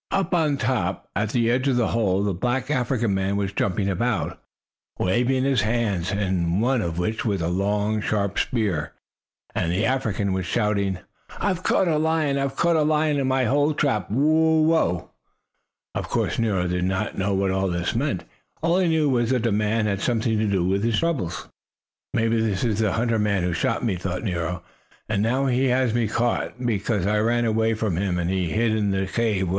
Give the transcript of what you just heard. Up on top, at the edge of the hole, the black African man was jumping about, waving his hands, in one of which was a long, sharp spear, and the African was shouting: "I have caught a lion! I have a lion in my hole trap! Whoop la!" Of course Nero did not know what all this meant. All he knew was that a man had something to do with his trouble. "Maybe that is the hunter man who shot me," thought Nero; "and now he has caught me because I ran away from him and hid in the cave.